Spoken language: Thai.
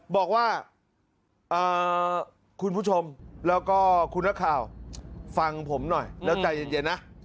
บอกว่าคุณผู้ชมแล้วก็คุณนักข่าวฟังผมหน่อยแล้วใจเย็นนะ